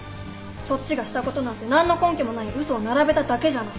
そっちがしたことなんて何の根拠もない嘘を並べただけじゃない。